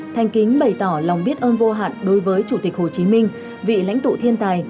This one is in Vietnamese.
thanh kính bày tỏ lòng biết ơn vô hạn đối với chủ tịch hồ chí minh vị lãnh tụ thiên tài